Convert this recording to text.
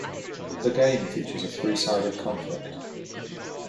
The game features a three-sided conflict.